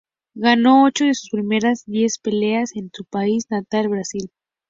Ganó ocho de sus primeras diez peleas en su país natal, Brasil.